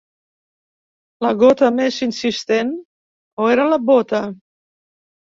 La gota més insistent, o era la bota?